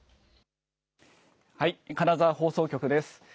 金沢放送局です。